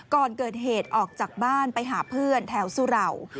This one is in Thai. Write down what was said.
ก่อนเกิดเหตุออกจากบ้านไปหาเพื่อนแถวสุเหล่า